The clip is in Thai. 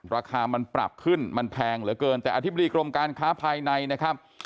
ราคามันปรับขึ้นมันแพงเหลือเกินแต่อธิบดีกรมการค้าภายในนะครับ